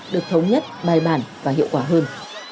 được thống nhất bài bản và hiệu quả hơn